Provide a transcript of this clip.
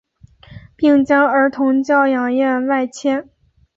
并将儿童教养院外迁。